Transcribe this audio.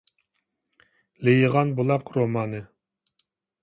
«لېيىغان بۇلاق» رومانى.